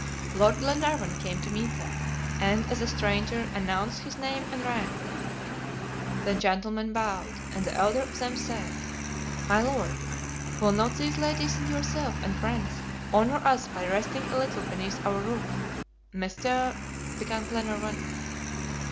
Lord Glenarvan came to meet them, and, as a stranger, announced his name and rank. The gentlemen bowed, and the elder of them said, "My Lord, will not these ladies and yourself and friends honor us by resting a little beneath our roof?" "Mr. ," began Glenarvan.